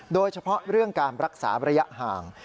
โดยเฉพาะเรื่องการรักษาระยะห่าง